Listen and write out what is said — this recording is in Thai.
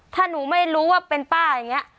ถ้าหนูไม่รู้ว่าเป็นป้าอย่างนี้